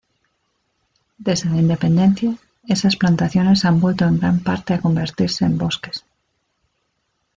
Desde la independencia, esas plantaciones han vuelto en gran parte a convertirse en bosques.